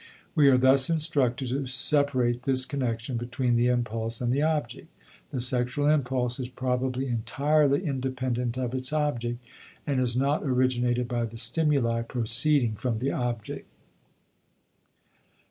We are thus instructed to separate this connection between the impulse and the object. The sexual impulse is probably entirely independent of its object and is not originated by the stimuli proceeding from the object.